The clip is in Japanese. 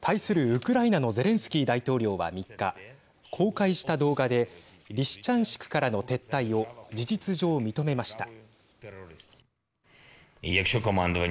ウクライナのゼレンスキー大統領は３日公開した動画でリシチャンシクからの撤退を事実上、認めました。